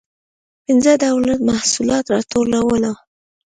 پنځه ډوله محصولات راټولول.